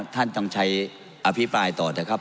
ท่านต้องใช้อภิปรายต่อเถอะครับ